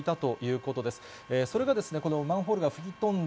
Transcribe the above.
それでですね、このマンホールが吹き飛んだ